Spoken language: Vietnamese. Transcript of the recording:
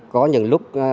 có những lúc